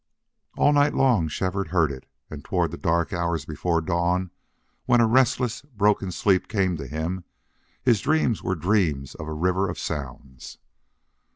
All night long Shefford heard it, and toward the dark hours before dawn, when a restless, broken sleep came to him, his dreams were dreams of a river of sounds.